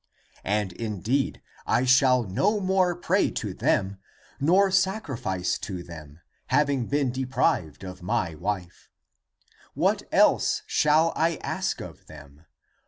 And indeed I shall no more pray to them nor sacrifice to them, having been deprived of my wife. What else shall I. ask of them?